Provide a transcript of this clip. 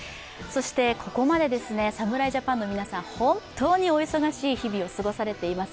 ここまで侍ジャパンの皆さん本当にお忙しい日々を過ごされています。